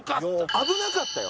危なかったよ。